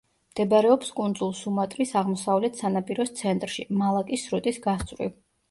მდებარეობს კუნძულ სუმატრის აღმოსავლეთ სანაპიროს ცენტრში, მალაკის სრუტის გასწვრივ.